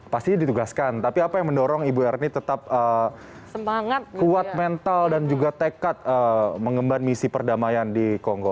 pasti ditugaskan tapi apa yang mendorong ibu ernie tetap semangat kuat mental dan juga tekad mengemban misi perdamaian di kongo